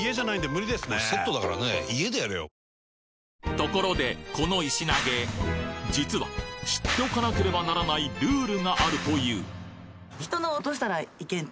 ところでこの石投げ実は知っておかなければならないルールがあるといううん。